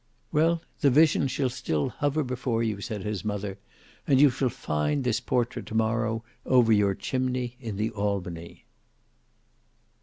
"Well, the vision shall still hover before you," said his mother; "and you shall find this portrait to morrow over your chimney in the Albany."